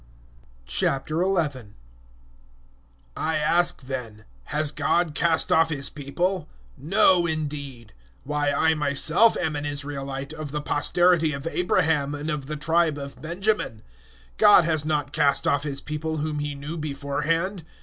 011:001 I ask then, Has God cast off His People? No, indeed. Why, I myself am an Israelite, of the posterity of Abraham and of the tribe of Benjamin. 011:002 God has not cast off His People whom He knew beforehand.